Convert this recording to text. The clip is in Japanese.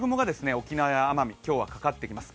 沖縄や奄美、今日はかかってきます。